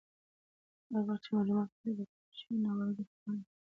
هر وخت چې معلومات خوندي وساتل شي، ناوړه ګټه به وانخیستل شي.